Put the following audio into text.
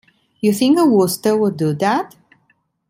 You think a Wooster would do that?